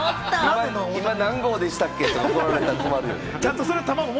今、何号でしたっけ？とか来られたら困るよね。